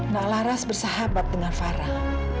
nah laras bersahabat dengan farah